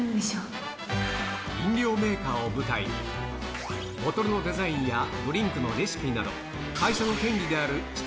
飲料メーカーを舞台に、ボトルのデザインやドリンクのレシピなど、会社の権利である知的